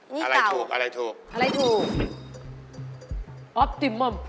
นี่เต่าอะไรถูก